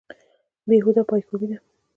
بې هوده پایکوبي ده.